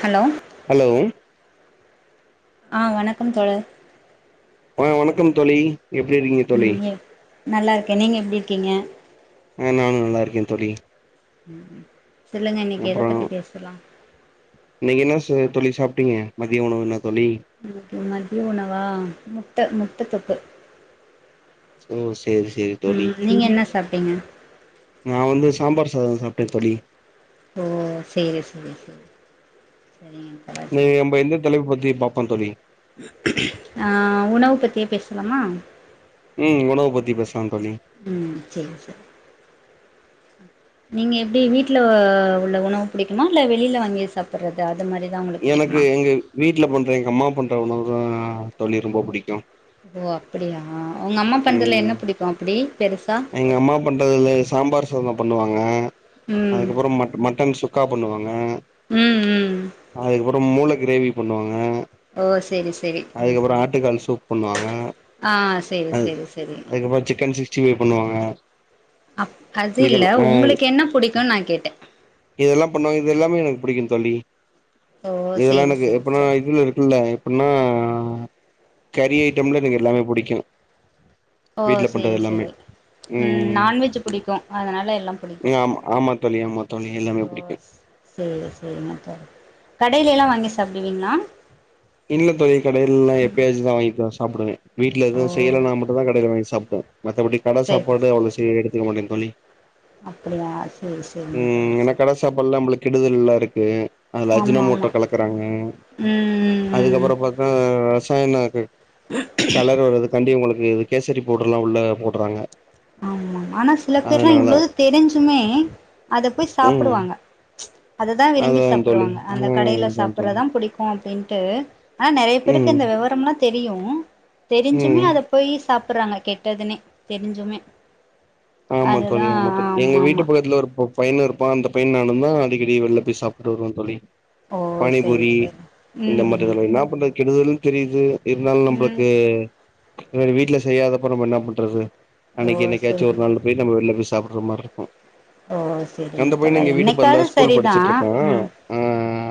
Hello hello ஆ வணக்கம் தோழர் ஆ வணக்கம் தோழி எப்டி இருக்கீங்க தோழி ங்கே நல்லா இருக்கே நீங்க எப்டி இருக்கீங்க உம் நானு நல்லா இருக்கே தோழி உம் சொல்லுங்க இன்னைக்கி எத அப்றோ பத்தி பேசலா இன்னைக்கு என்ன ச தோழி சாப்பிட்டீங்கெ மதியம் உணவு என்ன தோழி மதிய உணவா முட்ட முட்ட தொக்கு ஓ செரி செரி தொழி ம் நீங்க என்ன சாப்ட்டீங்க நா வந்து சாம்பார் சாதம் சாப்ட்டே தொழி ஓ செரி செரி செரி இன்னைக்கு நம்ம எந்த தலைப் பத்தி பாப்போ தொழி ஆ உணவு பத்தியே பேசலாமா உம் உணவ பத்தி பேசலா தோழி உம் சேரி சேரி நீங்க எப்டி வீட்டுல உள்ள உணவு பிடிக்குமா இல்ல வெளியில வாங்கி சாப்பறது ஆ எனக்கு எங்க வீட்டுல பண்ற எங்க அம்மா பண்ற உணவு தா தொழி ரொம்ப புடிக்கு ஓ அப்படியா உங்க அம்மா பண்றதுல ம் என்ன பிடிக்கு அப்டி பெருசா எங்க அம்மா பண்றதுல சாம்பார் சொதம பண்ணுவாங்க ம் அதுக்கப்புறோ ம மட்டன் சுக்கா பண்ணுவாங்கெ ம் ம் அதுக்கப்றோ அப்புறோம் மூளை கிரேவி பண்ணுவாங்க ஓ செரி செரி அதுக்கப்புறோ ஆட்டுக்கால் சூப் பண்ணுவாங்க ஆ செரி செரி செரி சி பண்ணுவாங்க அப் இதெல்லா அதுல்ல ஆ ஒங்களுக்கு என்ன புடிக்குன்னு நா கேட்டே இதெல்லா பண்ணுவாங்க இது எல்லாமே எனக்கு பிடிக்கு தொழி ஓ இதெல்லா சேரி எனக்கு சேரி எப்பனா சரி இதுல இருக்குல்ல எப்ன்னா கரி ஐட்டம்ல எனக்கு எல்லாமே பிடிக்கு ஓ செரி செரி உம் ம் நான்வெஜ் புடிக்கு அதனால எல்லா புடிக்கு ம் ஆமா ஆமா தோழி ஆமா தோழி ஓ எல்லாமே புடிக்கு சேரி சேரிங்க சார் கடையில எல்லா வாங்கி சாப்டுவீங்களா இல்லீங்க தோழி கடைல்லா எப்பயாச்சுதா வாங்கி தா சாப்புடுவே வீட்ல ஓ எதவு செய்யலனா மட்டுந்தா கடையில வாங்கி சாப் புடுவே மத்தபடி கட சாப்பாடு அவ்ளோ செய் எடுத்துக்க மாட்டே தோழி அப்புடியா செரி செரிங்க ம் தோழர் ஏன்னா கட செரிங்க தோழர் சாப்பாடுலா நம்மளுக்கு கெடுதல்லா இருக்கு அதுல அஜினோ ஆமா மோட்டோ ஆமா கலக்குறாங்க ம் ம் ம் அதுக்கப்புறோ பாத்தா ரசாயனோ கலர் வருது காண்டி உங்குளுக் கு கேசரி பவுடரு எல்லா உள்ள போட்றாங்க ஆமா ஆனா சில பேர்லா இவ்ளோது தெரிஞ்சுமே அத போய் ம் சாப்புடுவாங்க அததா விரும்பி அதா தோழி சாப்புடுவாங்க ஆ அந்த கடையில அதா தோழி சாப்புட்றதா பிடிக்கோ அப்டீன்ட்டு ஆனா நறைய பேருக்கு ம் இந்த விவரம்லா தெரியு தெரிஞ்சுமே ம் அத போயி சாப் சாப்புறாங்க கெட்டதுன்னே தெரிஞ்சுமே ஆமா தோழி அதுதா ஆமா தோழி எங்க வீட்டு ஆமா பக்கத்துல ஒரு பையனு இருப்பா அந்த பையன் நானுதா அடிக்கடி வெள்ல போய் சாப்ட்டு வருவோ தோழி ஓ செரி பானிபூரி செரி இந்த மாதிரி ம்ஹும் இதல்ல இன்னா பண்றது கெடுதலு தெரிது இருந்தாலு ம் நம்புளுக்கு வீட்ல செய்யாதப்ப நம்ம என்னா பண்றது ஓ அன்னிக்கு என்னக்காய்ச்சு ஒரு செரி நாள் போய் நம்ம வெள்ல போய் சாப்புடுற மாரி இருக்கோ ஓ செரிங்க அந்த பையன தோழர் இங்க வீட்டு பக்த்ல என்னைக்காவது ஸ்கூல் சரிதா படிச்சிட்ருக்கா ம் அவ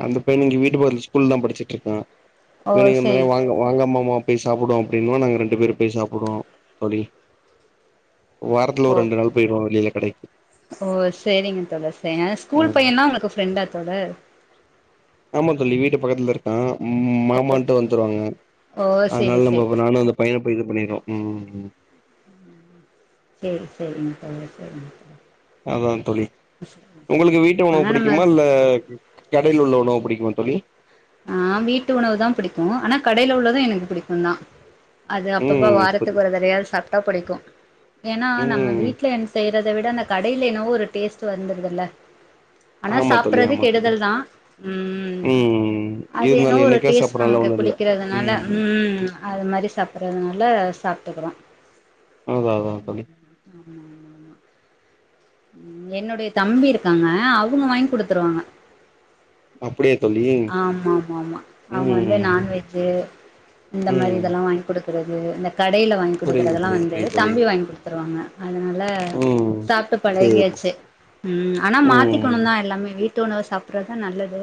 அந்த பையனோட வீ ட்ல பக்கத்ல ஸ்கூல்தா படிச்சுட்ருக்கா ஓ வெளிய வந்தனா செரி வாங்க வாங்க மாமா போய் சாப்புடுவோ அப்டீன்னுவோ நாங்க ரெண்டு பேர் போய் சாப்புடுவோ தோழி வாரத்துல ஓ ஒரு ரெண்டு நாள் போயிருவோ வெளில கடைக் ஓ செரிங்க தோழர் செரிங்க ஆனா ஸ்கூல் ம் பையனா உங்குளுக்கு ஃப்ரெண்டா தோழர் ஆமா தோழி வீட்டு பக்கத்துலதா இருக்கா ம் மாமா மட்டு வந்துருவாங்க ஓ செரி அதுனால செரி நம்ம நானு அந்த பையனு போய் இது பண்ணிருவோ ம்ம் செரி செரிங்க தோழர் செரிங்க தோழர் அதா தோழி உங்குளுக்கு வீட்டு உணவு ஆனா நம்ம பிடிக்குமா இல்ல கடைல உள்ள உணவு பிடிக்குமா தோழி ஆ வீட்டு உணவுதா பிடிக்கு ஆனா கடைல உள்ளதோ எனக்கு பிடிக்கோந்தா அது அப்பப்ப ம் புரி வாரத்துக்கு ஒருதடவயாது சாப்ட்டா பிடிக்கோ ஏன்னா நம்ம ம் வீட்ல என் செய்றத விட அந்த கடைல என்னோவோ ஒரு டேஸ்ட்டு வந்துருதுல ஆனா ஆமா தோழி சாப்புறது ஆமா தோழி கெடுதல் தா ம் ம் அது என்னவோ இருந்தாலு ஒரு என்னைக்கா டேஸ்ட்டு சாப்புட்றனால நமக்கு ஒண்ணு இல்ல பிடிக்குறதுனால ம் அது மாரி சாப்ட்றதுனால சாப்ட்டுக்குறோ அதா அதா தோழி மாமா ம் என்னோடய தம்பி இருக்காங்க அவுங்க வாங்கி குடுத்துருவாங்க அப்டீயா தோ ஆமா ஆமா ஆமா அவுங்க வந்து ம் நான்வெஜு இந்த மாரி ம் இதெல்லா வாங்கிகுடுக் குறது இந்த கடைல வாங்கி புரியுது குடுக்குறதெல்லா புரியுது வந்து புரியுது தோழி தம்பி வாங்கி குடுத்துருவாங்க அதனால ம் சாப்ட்டு சேரி பழகியாச்சு ம் ஆனா ம் மாத்திக்கணுந்தா எல்லாமே வீட்டு உணவு சாப்ட்றதுதா நல்லது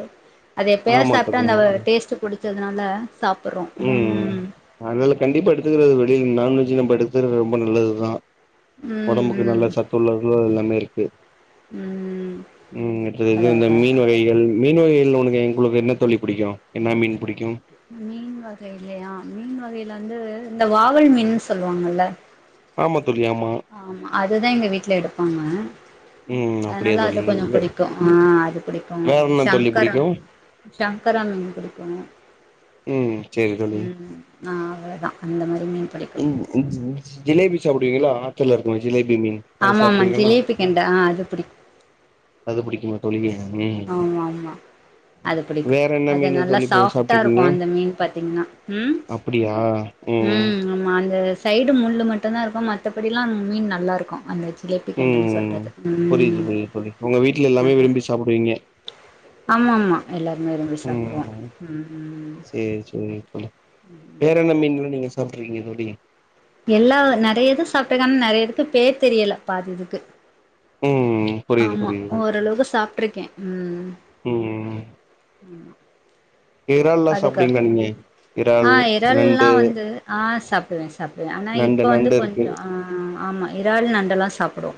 அது எப்பயாச்சு ஆமா சாப்ட்டா தோழி அந்த ஆமா தோழி டேஸ்ட்டு புடிச்சதுனால ம் ம் அதனால கண்டிப்பா எடுத்துக்கிறது டெய்லியும் நான்வெஜு நம்ம எடுத்துறது ரொம்ப நல்லதுதா‌ ஒடம்புக்கு ம் ம் நல்ல சத்து உள்ள எல்லாமே இர்க்கு ம் ம் அதா இது இந்த அதா அதா மீன் வகைகள் மீன் வகைகள்ல உனக்கு உங்குளுக்கு என்ன தோழி பிடிக்கோ என்ன மீன் பிடிக்கோ மீன் வகைலயா மீன் வகைல வந்து இந்த வாவல் மீன்னு சொல்லுவாங்கல்ல ஆமா தோ ஆமா அதுதா‌ எங்க வீட்ல எடுப்பாங்க ம் அப்டியா அதனால அது தோழி கொஞ்சோ பிடிக்கோ ஆ அது பிடிக்கோ வேற என்ன தோழி ஷங்கரா புடிக்கு ஷங்கரா மீன் பிடிக்கு ம் செரி தோளி ஆ அவ்ளோதா அந்த மாரி மீன் புடிக்கு ம் ம் ம் ஜிலேபி சாப்டுவீங்களா ஆத்துல்ல இருக்குமே ஜிலே பி மீன் அது ஆமா ஆமா சாப்டுவிங்களா ஜிலேபி கெண்ட ஆ அது புடிக்கு அது புடிக்குமா தோளி ஆமா ஆமா அது புடிக்கு வேற என்ன அது மீனு நல்லா தோழி ப சாஃப்டா சாப்ட்ருக்கீங்க இருக்கு அந்த மீன் பாத்தீங்னா ம் அப்டியா ம் ஆமா அந்த சைடு முள்ளு மட்டுந் தா இருக்கு மத்தபடில்லா மீன் நல்லா இருக்கு அந்த ஜிலேபி கெண்டன்னு ம் சொல்றது புரியிது ம் புரியிது தோளி உங்க வீட்ல எல்லாமே விரும்பி நல்லாருக்கு சாப்டுவிங்க ஆமா ஆமா எல்லாருமே விரும்பி சாப்புடுவோ ம் ம் ம் சேரி சேரி தோளி வேற என்ன மீன்ளா நீங்க சாப்ட்ருக்கிங்க தோளி எல்லா நெறைய இது சாப்ட்ருக்கே ஆனா நெறைய இதுக்கு பேர் தெரியல பாதி இதுக்கு ம் ம் புரியிது ஆமா புரியிதுங்க தோளி ஓரளவுக்கு சாப்ட்ருக்கே ம் ம் எறால்லா அதுக்கா சாப்டுவிங்களா நீங்க ஆ இறால் எறல்லா நண்டு வந்து ஆ சாப்டுவே சாப்டுவே ஆனா நண்டு இப்ப வந்து நண்டு இருக்கு கொஞ்சோ ஆ ஆமா இறால் நண்டெல்லா சாப்டுவோ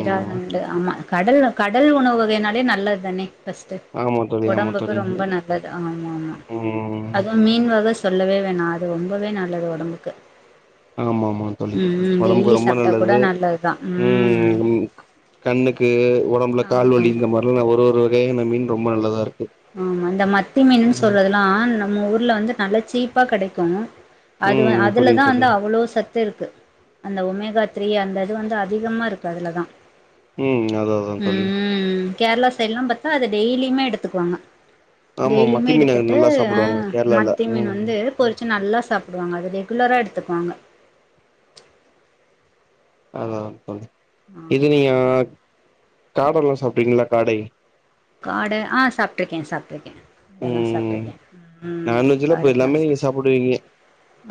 இறால் நண்டு ஆமா கடல் கடல் உணவு வகைனாலே நல்லது தானே ஃபர்ஸ்ட்டு ஆமா தோழி ஆமா ஒடம்புக்கு தோழி ரொம்போ நல்ல து ஆமா ஆமா ம் அதுவு மீன் வக சொல்லவே வேணா அது ரொம்பவே நல்லது ஒடம்புக்கு ஆமா ஆமா தோளி ம் ம் ஒடம்புக்கு டெய்லி ரொம்ப சாப்ட்டா கூட நல்லது நல்லதுதா ம் ம் கண்ணுக்கு ஒடம்புல ஆமா கால் வலி ஆமா இந்த மாரிலா ஒரு ஒரு வகையான மீன் ரொம்ப நல்லதாரு ஆமா இந்த மத்தி மீன்னு சொல்றதெல்லா நம்ம ஊர்ல வந்து நல்லா சீப்பா கெடைக்கு அதுவ ம் புரியுது அதுலதா தோழி வந்து அவ்ளோ சத்துருக்கு அந்த ஒமேகா த்ரீ அந்த இது வந்து அதிகமாருக்கு அதுலதா ம் அது அதான் தோளி ம் கேரளா சைடுல்லா பாத்தா அது டெய்லியுமே எடுத்துக்குவாங்க ஆமா மத்தி டெய்லியுமே மீன் அங்க யெடுத்துட்டு நல்லா அ சாப்புடுவாங்க கேரளால மத்தி மீன் ம் வந்து பொறிச்சு நல்லா சாப்பிடுவாங்க அது ரெகுலரா எடுத்து த்துக்வாங்க ம்ச் அதா தோளி இது ஆமா நீங்க ஆமா காபம்ல்லா சாப்டுறிகிங்களா காடை காடே ஆ சாப்ட்ருக்கே சாப்ட்டுருக்கே அதெல்லா ம் சாப்பிட்டுருக்கே ம் நான்வெஜ்ல இப்ப காடெல்லா எல்லாமே நீங்க சாப்புடுவீங்க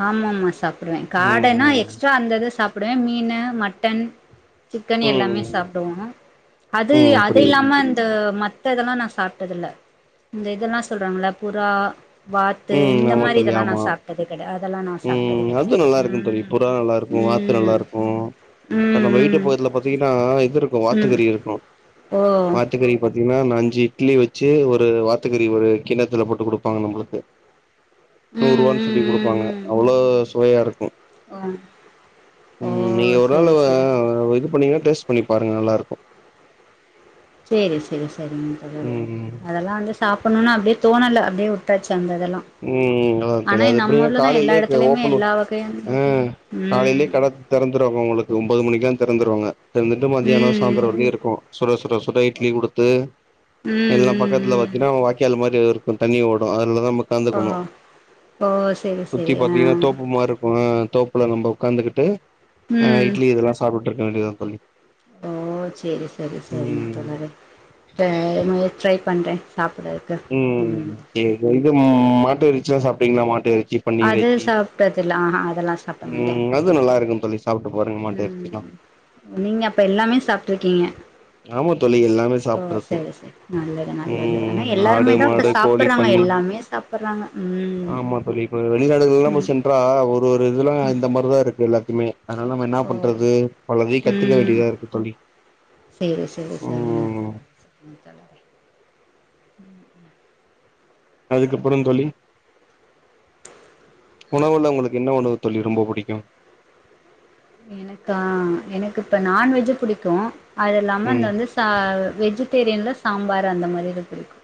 ஆமா மா சாப்பிடுவே காடேன்னா ம் எக்ஸ்ட்ரா அந்தது சாப்பிடுவே மீனு மட்டன் சிக்கன் ம் யெல்லாமே சாப்பிடுவோ அது ம் புரியுது அதுயில்லாம அந்த ம த்ததெல்லா நா சாப்பிட்டதில்ல இந்த இதெல்லா சொல்றாங்கல்ல புறா வாத்து ம் இந்த ஆமா மாரி தோழி இதெல்லா நா ஆமா சாப்டது கெடையா அதெல்லா நா சாப்டது ம் அது கெடையாது நல்லா இருக்கு தோழி புறா நல்லா உம் இருக்கு வாத்து நல்லாருக்கு நம்ம வீட்டு ம் பக்குத்துல பாத்தீங்கன்னா இதுருக்கு வாத்து ம் கறி இருக்கு ஓ வாத்துக்கறி பாத்தீங்கன்னா அஞ்சி இட்லி வெச்சு ஒரு வாத்துக்கறி ஒரு கிண்ணத்துல போட்டு குடுப்பாங்க நம்முளுக்கு ம் நூறுவான்னு ம் சொல்லி குடுப்பாங்க ம் அவ்ளோ சுவையாருக்கு ம் ஓ ஓ ம் நீங்க ஒரு நாள் செரி செரி செரி ஆ இது பண்ணீங்கன்னா டேஸ்ட் பண்ணி பாருங்க நல்லாருக்கு செரி செரி செரிங்க தோழரே அதெல்லா வந்து சாப்பிடணுன்னு அப்டியே தோணல அப்டியே உட்டாச்சு தந்ததெல்லா நல்லாருக்கு தோளி அது எப்டின்னா காலையிலேயேகு ஓபன் உ எல்லா வகையான ஆ காலையிலேயே ம் கட தெறந்துருவாங்க உங்களுக்கு து ஒம்போது மணிக்கலா தெறந்துருவாங்க தொறந்துட்டு ம் மத்தியானோ சாந்தரோ ம் வரைக்கு இருக்கு சுட சுட சுட இட்லி குடுத்து ம் எல்லா பக்கத்துல ம் ம் பாத்தீங்கன்னா வாய்க்கால் மாரிருக்கு தண்ணி ஓடு அதுலதா ஓ க்கந்துக்கணு ஓ செரி சுத்தி செரி ஆ பாத்தீங்கன்னா தோப்பு மாரிருக்கு தோப்புல நம்ப உட்காந்துகுட்டு அ ம் இட்லி இதெல்லா சாப்ட்டுருக்க வேண்டியதுதா தோழி ஓ சேரி செரி சரிங்க ம் தோழரே இப்ப எக் ஃபரை பண்ற உம் சரி இது மாட்டேறிச்சுல்லா சாப்பிட்டீங்களா மாட்டு அது பன்னியெறச்சி சாப்ட்டதில்ல ஆஹா அதெல்லா சாப்ட மாட்டே ம் அது நல்லாருக்கு தோழி சாப்ட்டு பாருங்க மாட்டேறச்சில்லா ம் நீங்க அப்ப எல்லாமே சாப்ட்ருக்கீங்க ஆமா தோழி எல்லாமே ஓ சாப்ட்றது செரி செரி நல்லது நல்லது ஆனா ம் ஆடு எல்லாருமே தா இப்ப மாடு கோழி சாப்பட்றாங்க பன்னி எல்லாமே சாப்பட்றாங்க உம் வெளிநாடுகள்ல்லா நம்ம சென்றா ஒரு ஒரு இதெல்லா இந்த மாரிதாருக்கு எல்லாத்துமே அதனால நம்ம என்னா ஓ பண்றது பலதையு கத்துக்க வேண்டியதாருக்கு தோழி சேரி சேரி சரிங்க ம் தோழரே உஹு ம் அதுக்கப்புறோ தோழி உணவுல உங்களுக்கு என்ன உணவு தோழி ரொம்ப புடிக்கு எனக்கா எனக்கு இப்ப நான்வெஜ்ஜே புடிக்கு அது இல்லாம நா ம் வந்து ச வெஜிடேரியன்ல சாம்பார் அந்த மாரிது பிடிக்கு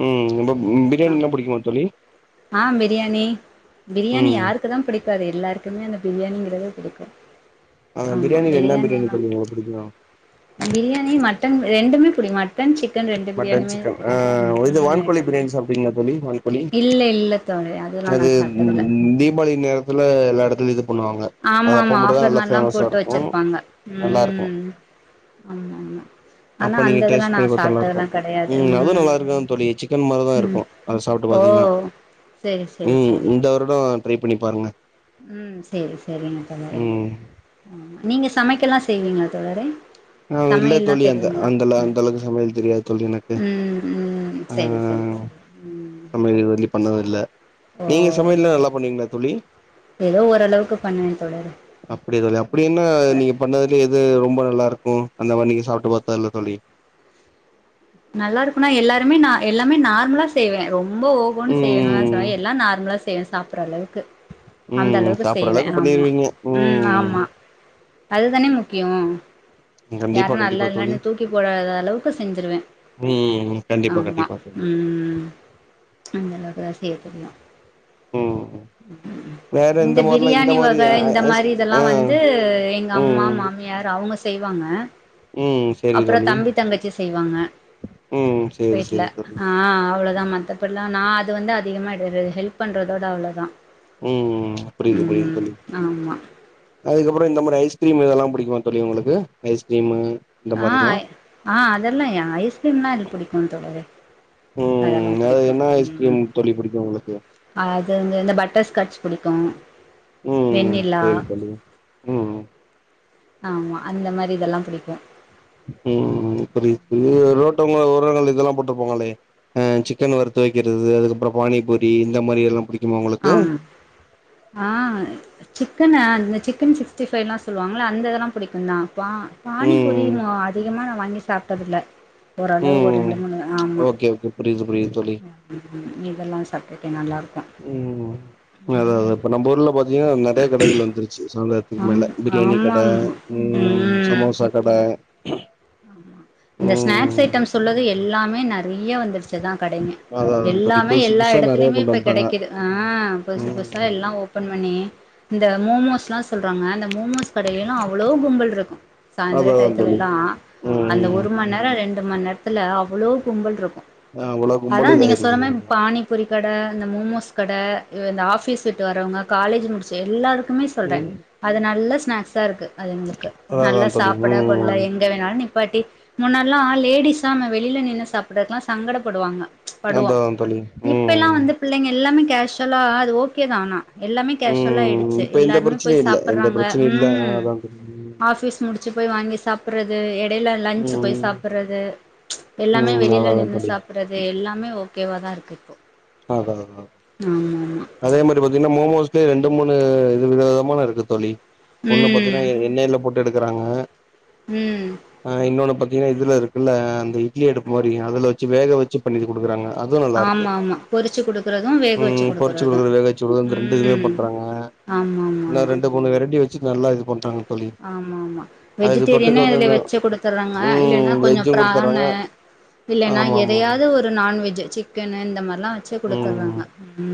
ம் இப்ப பிரியாணில்லா பிடிக்குமா தோழி ஆ பிரியாணி பிரியாணி ம் யாருக்கு தா பிடிக் ப அது எல்லாருக்குமே அந்த பிரியாணிங்கறது பிடிக்கு ஆ ஆமா பிரியாணில என்ன பிரியாணி பிரியாணியெல்லா தோழி உங்களுக்கு புடிக்கு பிரியாணி மட் ட்டன் ரெண்டுமே புடிக்கு மட்டன் சிக் கன் ரெண்டு மட்டன் பிரியாணியுமே சிக்கன் ஆ புடிக்கு ம் இது ம் வான்கோழி ரெண்டுமே பிரியாணி சாப்ட்டீங்களா தோழி வான்கோழி இல்ல இல்ல தோழரே அதுல்லா நா அது சாப்ட்டதில்ல தீபாவளி நேரத்துல எல்லா எடத்துலயு இது பண்ணுவாங்க ஆமா அது அப்ப ஆமா மட்டுந்தா ஆஃபர் நல்லா மாரில்லா ஃபேமஸா போட்டு இருக்கு வச்சிருப்பாங்க நல்லா இருக்கு உம் ஆமா ஆமா ஆனா அப்ப அந்த நீங்க இதெல்லா டேஸ்ட் நா பண்ணி பாத்தா நல்லா இருக்கு சாப்ட்டதுலா கடையாது ம் அதுவு நல்லா உம் இருக்கு தோழி சிக்கன் மாரிதா உம் இருக்கு அத சாப்ட்டு ஓ பாத்தீங்கன்னா சேரி சேரி சரி ஆ ட்ரை பண்ணி பாருங்க உம் சேரி சரிங்க தோழரே ம் அ நீங்க சமைக்கலா செ செய்வீங்களா தோழரே ஆ இல்ல சமையெல்லா தோழி அந்த தெரியுங்களா அந்த அந்த ம் அளவுக்கு சமையல் தெரியாது தோழி எனக்கு உம் உம் ஆ சரி சரி சரி சரி உம் சமையல் இது வரையிலு பண்ணதில்ல நீங்க சமையல்லா நல்லா பண்னுவீங்களா தோலி ஏதோ ஓரளவுக்கு பண்ணுவேன் தோழரே அப்படி எது இல்லயா அப்படி என்ன நீங்க பண்ணதுலே எது ரொம் ம்ப நல்லா இருக்கு அந்த மாரி நீங்க சாப்ட்டு பாத்ததுல தோழி நல்லா இருக்குன்னா எல்லாருமே நா எல்லாமே நார்மலா செய்வே ரொம் ரொம்போ ஓஹோன்னு செய்வண்ணா ம் சமையல் எல்லா நார்மலா செய்வ சாப்பட்ற அளவுக்கு அந்த ம் அளவுக்கு சாப்புற செய்வ ஆமா பண்ணிருவீங்க உம் ஆமா ம் அதுதானே முக்கியோ கண்டிப்பா யாரு நல்லா கண்டிப்பா தோழி இல்லன்னு தூக்கி போடாத அளவுக்கு செஞ்சிருவே ம் கண்டிப்பா ஆமா கண்டிப்பா தோழி உம் அந்த அளவுக்கு தா செய்ய தெரியு ம் ம் இந்த பிரியாணி வக ஐ இந்த ஐஸ் மாரி இதெல்லா ஆ வந்து எங்க அம்மா ம் மாமியா யார் அவுங்க செய்வாங்க ம் செரி அப்புறோ தோழி தம்பி தங்கச்சி செய்வாங்க ம் சேரி வீட்ல சேரி தோழி ஆ அவ்ளோதா மத்தபட்ல்லா நா அது வந்து அதிகமா இது இது ஹெல்ப் பண்றதோட அவ்ளோதா ம் ம் புரிது புரிது ம் தோழி ஆமா அதுக்கப்புறோ இந்த மாரி ஐஸ்கிரீமு இதெல்லா புடிக்குமா தோழி உங்களுக்கு ஐஸ்கிரீமு இந்த ஆ மாரிலா ஆ அதெல்லா யா ஐஸ்கிரீம்லா எனக்கு புடிக்கு தோழரே அதெல்லா உம் அது புடிக்கு என்ன ம் ஐஸ்கிரீம் தோழி புடிக்கு உங் அது வந்து இந்த பட்டர் ஸ்காட்ச் புடிக்கு ம் ம் வெண்ணிலா சரிங்க தோழி ம் ம் ஆமா அந்த மாரி இதெல்லா புடிக்கு ம் புரிது புரிது இன்னோர்ட்டவங்க ஒரு [unintelligible] இதெல்லா போட்டுருப்பாங்கொளே அ சிக்கன் வறுத்து வைக்கிறது அதுக்கப்பறொ பானிபூரி இந்த மாரி எல்லாம் புடிக் ஆமா ஆ சிக் க்கன அந்த சிக்கன் சிக்ஸ்டி ஃபைவ்லா சொல்லுவாங்கள அந்த இதெல்லா புடிக்குந்தா பா பானிபூரி ம் ம அதிகமா நா வாங்கி சாப்ட்டது இல்ல ஓரளவு ஒரு ம் ரெண்டு மூணு ஆமா ஓகே ஓகே புரியுது புரியுது தோழி மிதெல்லா சாப் ஓகே நல்லாருக் ம் அதா அதா இப்ப நம்ப ஊர்ல பாத்தீங்கன்னா நெறைய கடைகள் வந்துருச்சு சோ [unintelligible] க்கு ஆம் மேல பிரியாணி கட ஆமாம் ம் சமோசா கட இந்த ஸ்நாக்ஸ் ம் ஐட்டம் சொல்லது எல்லாமே நெறைய வந்துடுச்சுதா கடைங்க அதா அதா தோழி எல்லாமே புதுசு எல்லா புதுசா நெறைய எடத்துலயுமே கொண்டு இப்ப வந்ட்டாங்க கெடைக்குது ஆ புதுசு புதுசா ம் எல்லா ஓபன் பண்ணி இந்த மோமோஸ்லா சொல்றாங்க அந்த மோமோஸ் கடைலேல்லா அவ்வளோ கும்பல் இருக்கு சாயந்திர அதா அதா தோழி டயத்துலெல்லா ம் அந்த ம் ஒரு மண் நேரோ ரெண் ண்டு மண் நேரத்துல அவ்ளோ கும்பல் இருக்கு அவ்ளோ அதா கும்பல் நீங்க சொன்ன இதாயிருது மார் பானிபூரி கட இந்த மோமோஸ் கட அ இந்த ஆஃபீஸ் விட்டு வரவங்க காலேஜ் முடிச்ச எல்லாருக் க்குமே சொல்ற ம் அது நல்ல ஸ்நாக்ஸா ருக்கு. அதுங்களுக்கு அதா அதா நல்லா தோழி சாப்பட கொள்ள ம் எங்க வேணாலு நிப் பாட்டி முன்னாட்ல்லா லேடிஸ்லா நம்ம வெளில நின்னு சாப்பட்றதுகுல்லா சங்கடப்படுவாங்க படுவோ அதா அதா தோழி இப்பெல்லா ம் வந்து பிள்ளைங்க எல்லாமே கேஷ்வலா அது ஓகேதா ஆனா எல்லாமே கேஷ்வலா ம் ஆயிடுச்சு இப்ப எந்த எல்லாருமே போய் பிரச்சனையு இல்ல எந்த சாப்பட்றாங்க பிரச்சனையு இல்ல ம் அதா தோழி ஆஃபிஸ் முடி ச்சு போய் வாங்கி சாப்பட்றது எட் எடைல லஞ்சு போய் ம் சாப்படுறது எல்லாமே ம் அதா வெளியில அதா நின்னு தோழி சாப்புடுறது எல்லாமே ஓ கேவாதா இருக்கு இப்போ அதா அதா ஆமா ஆமா அதே மாரி பாத்தீங்கன்னா மோமோஸ் ஸே ரெண்டு மூணு இது வித விதமான இருக்கு தோழி ஒன்னு பாத்தியன்னா ம் எண்ணைல போட்டு எடுக்குறாங்க ம் ஆ இன்னோன்னு பாத் திகன்னா இதுல இருக்குல்ல அந்த இட்லி அடுப்பு மாரி அதுல வச்சு வேக வச்சு பண்ணிட்டு குடுக்குறாங்க அதுவு நல்லாருக்கு ஆமா ஆமா பொரிச்சு குடுக்குறது வேக வச்சு ம் பொறுச்சு குடுக்குறது வேக வச்சு குடுக்கறது இந்த ரெண்டு இதுமே ம் பண்றாங்க ஆமா ஆமா இல்ல ஆமா ரெண்டு மூணு வெரைட்டி வச்சுட் நல்லா இது பண்றாங்க தோழி ஆமா ஆமா அதுக்கு தொட்டுக்க வெஜிடேரியனு வந்து அதுல அந்த வச்சு குடுத்தறாங்க இல்லேன்னா ம் கொஞ்சம் வெஜ்ஜு பிரான் குடுத்துர்றாங்க இல்லன்னா ஆமா ஆமா ஆமா எதையாவ்து ஒரு நான்வெஜ் சிக்கனு இந்த மா ம்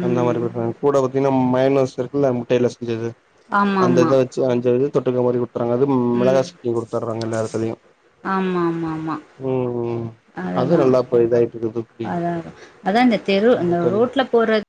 அந்த மாரி குடுக்குறாங்க கூட பாத்தீங்கன்னா மயோனஸ் இருக்குல்ல முட் ட்டைல செஞ்சது ஆமா அந்த ஆமா இத வச்சு வாஞ்சது தொட்டுக்க மாரி கு த்தறாங்க அது மெளகா ம் சட்னி கொடுத்தராங்க எல்லா எடத்துலயு ஆமா ஆமா ஆமா ம் அது அதெல்லா நல்லா இப்ப இதாயிட்டு இருக்குது அத அதா அதா இந்த தெரு ம் இந்த தோழி ரோட்ல போறது